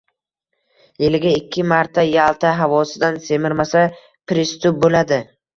Yiliga ikki marta Yalta havosidan simirmasa «pristup» boʼladi.